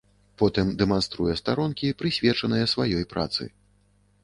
Потым дэманструе старонкі, прысвечаныя сваёй працы.